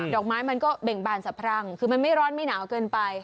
อกไม้มันก็เบ่งบานสะพรั่งคือมันไม่ร้อนไม่หนาวเกินไป